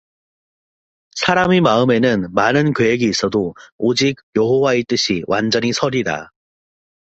사람의 마음에는 많은 계획이 있어도 오직 여호와의 뜻이 완전히 서리라